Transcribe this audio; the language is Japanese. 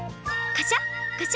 カシャ！